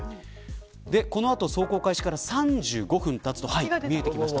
この後走行開始から３５分経つと見えてきました。